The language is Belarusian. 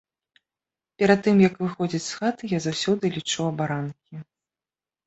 Перад тым як выходзіць з хаты, я заўсёды лічу абаранкі.